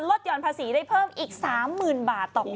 หย่อนภาษีได้เพิ่มอีก๓๐๐๐บาทต่อปี